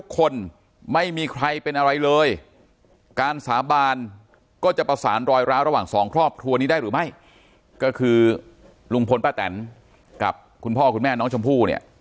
ก็คือลุงพลป้าแตนกับคุณพ่อคุณแม่น้องชมพู่เนี่ย